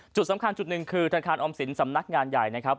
จุดสำคัญจุดหนึ่งคือธนาคารออมสินสำนักงานใหญ่นะครับ